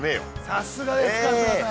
◆さすがです。